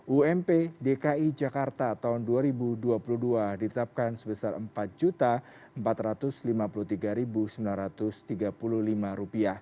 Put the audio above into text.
ump dki jakarta tahun dua ribu dua puluh dua ditetapkan sebesar rp empat empat ratus lima puluh tiga sembilan ratus tiga puluh lima